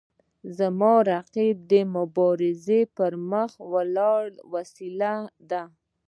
رقیب زما د مبارزې د پرمخ وړلو وسیله ده